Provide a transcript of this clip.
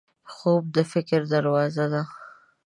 خوب د فکر دروازه ده